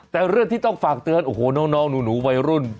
แต่เรื่องที่ต้องฝากเตือนโอ้โหน้องหนูวัยรุ่น